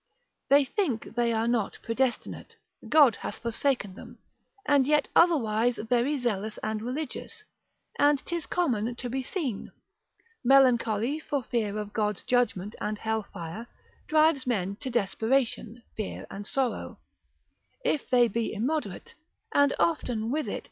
They think they are not predestinate, God hath forsaken them; and yet otherwise very zealous and religious; and 'tis common to be seen, melancholy for fear of God's judgment and hell fire, drives men to desperation; fear and sorrow, if they be immoderate, end often with it.